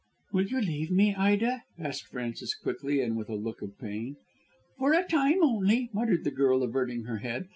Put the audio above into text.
"Will you leave me, Ida?" asked Frances quickly and with a look of pain. "For a time only," muttered the girl averting her head.